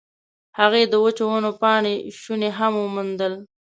هغې د وچو ونو پاتې شوني هم وموندل.